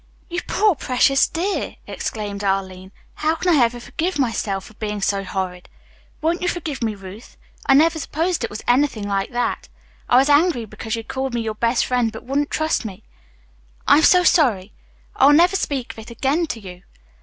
"You poor, precious dear!" exclaimed Arline. "How can I ever forgive myself for being so horrid? Won't you forgive me, Ruth? I never supposed it was anything like that. I was angry because you called me your best friend, but wouldn't trust me. I'm so sorry. I'll never speak of it again to you."